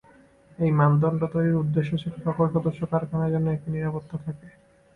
এই মানদণ্ড তৈরির উদ্দেশ্য ছিল সকল সদস্য কারখানায় যেন একি নিরাপত্তা থাকে।